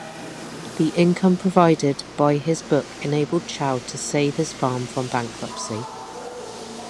The income provided by his book enabled Chow to save his farm from bankruptcy.